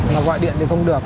mà gọi điện thì không được